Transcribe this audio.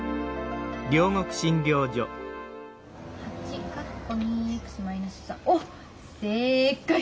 ８おっ正解！